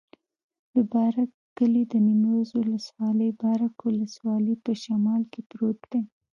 د بارک کلی د نیمروز ولایت، بارک ولسوالي په شمال کې پروت دی.